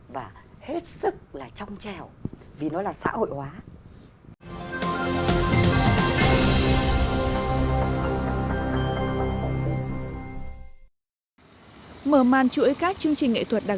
và hết sức quý giá